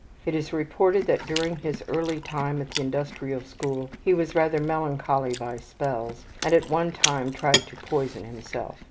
It is reported that during his early time at the industrial school he was rather melancholy by spells, and at one time tried to poison himself.